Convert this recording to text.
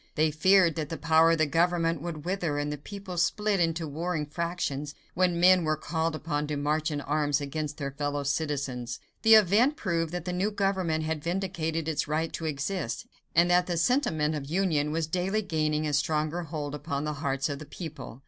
They feared that the power of the government would wither and the people split into warring factions when men were called upon to march in arms against their fellow citizens. The event proved that the new government had vindicated its right to exist, and that the sentiment of union was daily gaining a stronger hold upon the hearts of the people.